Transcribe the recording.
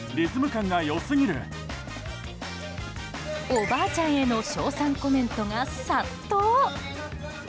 おばあちゃんへの称賛コメントが殺到。